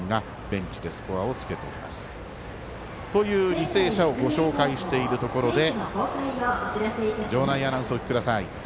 履正社をご紹介しているところで場内アナウンスをお聞きください。